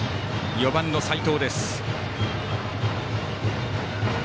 ４番の齋藤。